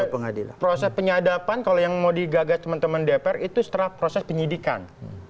proses penyadapan kalau yang mau digagas teman teman dpr itu setelah proses penyidikan